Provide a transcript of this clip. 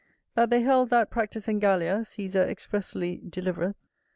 That they held that practice in Gallia, Cæsar expressly delivereth.